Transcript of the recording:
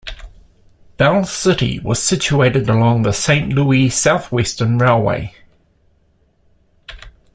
Bell City was situated along the Saint Louis Southwestern Railway.